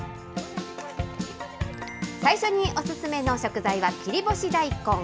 最初にお勧めの食材は切り干し大根。